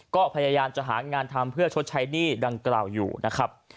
ก็พยายามจะหางานทำเพื่อชดใช้หนี้ดังกล่าวอยู่นะครับ